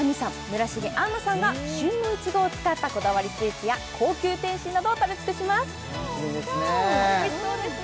村重杏奈さんが旬のいちごを使ったこだわりスイーツや高級点心など食べ尽くします楽しみですね